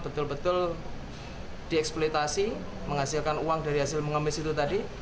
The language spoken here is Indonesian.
betul betul dieksploitasi menghasilkan uang dari hasil mengemis itu tadi